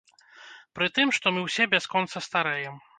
Пры тым, што мы ўсе бясконца старэем.